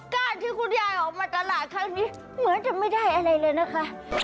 การที่คุณยายออกมาตลาดครั้งนี้เหมือนจะไม่ได้อะไรเลยนะคะ